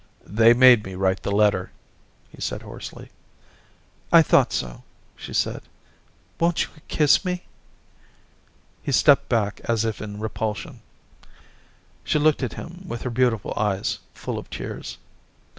* They made me write the letter,' he said hoarsely. * I thought so,' she said. ' Won't you kiss me?' He stepped back as if in replusion. She looked at him with her beautiful eyes full of tears.